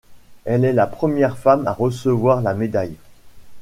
Elle est la première femme à recevoir la médaille.